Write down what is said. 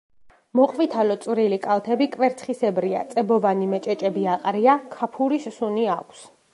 მოყვითალო წვრილი კალთები კვერცხისებრია, წებოვანი მეჭეჭები აყრია, ქაფურის სუნი აქვს.